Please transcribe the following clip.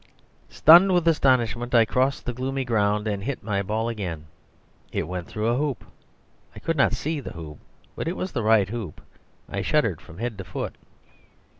Stunned with astonishment, I crossed the gloomy ground, and hit my ball again. It went through a hoop. I could not see the hoop; but it was the right hoop. I shuddered from head to foot.